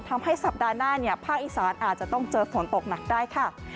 ทำให้สัปดาห์หน้าภาคอีสานอาจจะต้องเจอฝนตกหนักได้ค่ะ